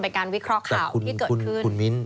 เป็นการวิเคราะห์ข่าวที่เกิดขึ้น